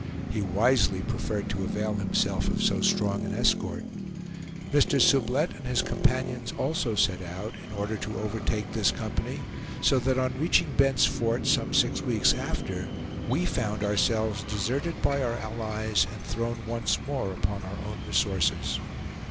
He wisely preferred to avail himself of so strong an escort. Mr. Sublette and his companions also set out, in order to overtake this company; so that on reaching Bent's Fort, some six weeks after, we found ourselves deserted by our allies and thrown once more upon our own resources.